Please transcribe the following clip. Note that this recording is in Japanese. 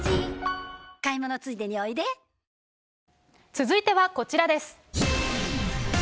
続いてはこちらです。